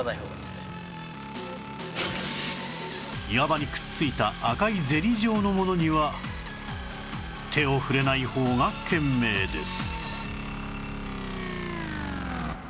岩場にくっついた赤いゼリー状のものには手を触れない方が賢明です